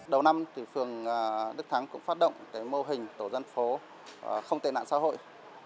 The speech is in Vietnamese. đầu năm phương đức thắng cũng phát động mô hình tổ dân phố không tiền nạn xã hội